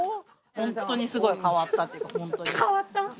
ホントにすごい変わった。